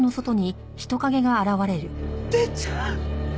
伝ちゃん。